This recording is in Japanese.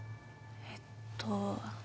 えっと。